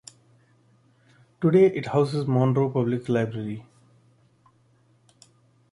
Today it houses Monroe Public Library.